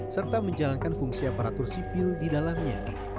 serta menjalankan fungsi aparatur sipil di dalamnya